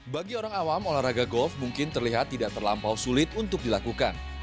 bagi orang awam olahraga golf mungkin terlihat tidak terlampau sulit untuk dilakukan